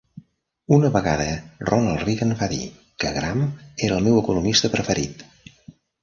Una vegada, Ronald Reagan va dir que Gramm era el meu economista preferit.